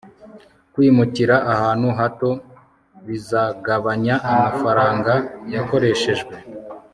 kwimukira ahantu hato bizagabanya amafaranga yakoreshejwe